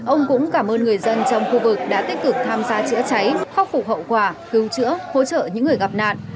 ông cũng cảm ơn người dân trong khu vực đã tích cực tham gia chữa cháy khắc phục hậu quả cứu chữa hỗ trợ những người gặp nạn